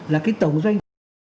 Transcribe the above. là cái tổng doanh